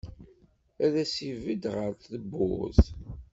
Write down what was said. Ad as-ibedd ɣef tewwurt.